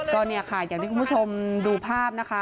ก็เนี่ยค่ะอย่างที่คุณผู้ชมดูภาพนะคะ